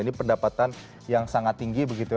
ini pendapatan yang sangat tinggi begitu ya